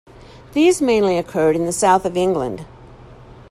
These mainly occurred in the south of England.